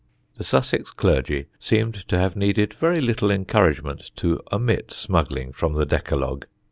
The Sussex clergy seemed to have needed very little encouragement to omit smuggling from the decalogue.